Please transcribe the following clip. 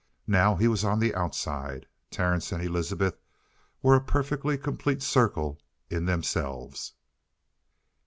Now he was on the outside. Terence and Elizabeth were a perfectly completed circle in themselves.